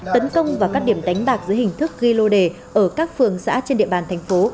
tấn công vào các điểm đánh bạc dưới hình thức ghi lô đề ở các phường xã trên địa bàn thành phố